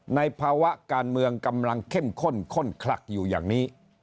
ในภาวะการเมืองกำลังเข้มข้นข้นคลักอยู่อย่างนี้